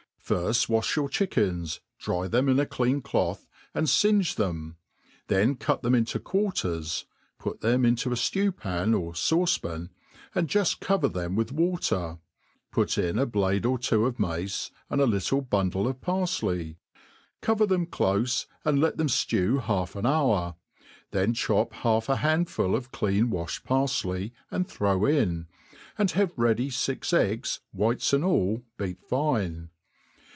, FIRST wafh your chickens, dry them in a clean cloth, and linge them; then cut them into quarters; put them into a flew pan or (aucepan^ and juft cover them with water ; put in a blade or two of mace, and a little bundle of parfley ; cover them clofe, and let them flew half an hour; then chop half n handful of clean wafhed parfley, and thj ow in, and have ready fix eggs, V whites and all, beat fine.